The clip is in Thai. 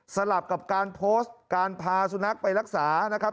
สลับกับการโพสต์การพาสุนัขไปรักษานะครับ